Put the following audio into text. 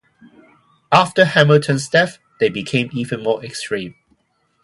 After Hamilton's death, they became even more extreme.